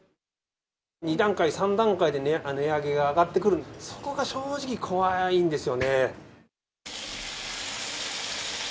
２段階、３段階で値上げが上がってくる、そこが正直、怖いんですよね。